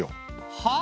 はあ？